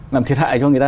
làm thiệt hại cho người ta